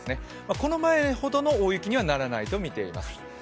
この前ほどの大雪にはならないと見ています。